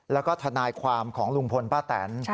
แล้วก็ทนายความของลุงพลป้าแตน